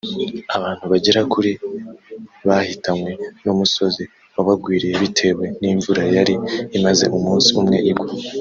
abantu bagera kuri bahitanwe n’umusozi wabagwiriye bitewe n’imvura yari imaze umunsi umwe igwa